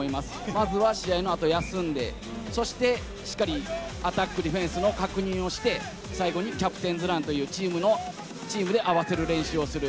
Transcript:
まずは試合のあと休んで、そしてしっかりアタック、ディフェンスの確認をして、最後にキャプテンズランというチームの、チームで合わせる練習をする。